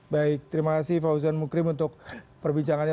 baik terima kasih fauzan mukrim untuk perbincangannya